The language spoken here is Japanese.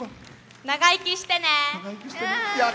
長生きしてね！